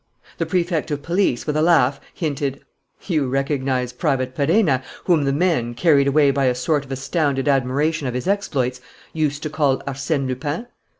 The Prefect of Police, with a laugh, hinted: "You recognize Private Perenna, whom the men, carried away by a sort of astounded admiration of his exploits, used to call Arsène Lupin?"